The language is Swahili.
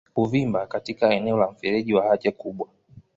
Kuvimba katika eneo la mfereji wa haja kubwa